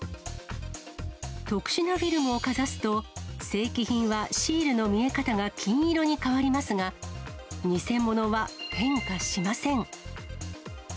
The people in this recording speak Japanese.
特殊なフィルムをかざすと、正規品はシールの見え方が金色に変わりますが、偽物は変化しません。